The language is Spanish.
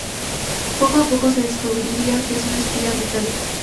Poco a poco, se descubrirá que es un espía británico.